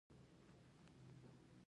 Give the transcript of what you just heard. افغانستان د کندز سیند له پلوه متنوع دی.